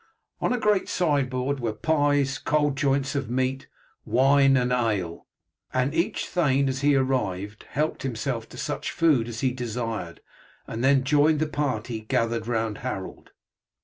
On a great sideboard were pies, cold joints of meat, wine and ale, and each thane as he arrived helped himself to such food as he desired, and then joined the party gathered round Harold.